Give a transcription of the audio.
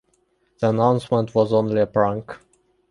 The announcement was only a prank.